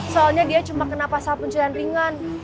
soalnya dia cuma kena pasal pencucian ringan